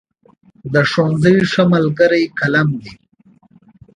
د ښوونځي ښه ملګری قلم دی.